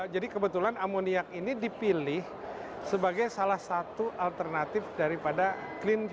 jadi kebetulan amonia ini dipilih sebagai salah satu alternatif daripada clean energy